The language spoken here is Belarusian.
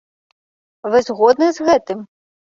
Вы згодны з гэтым?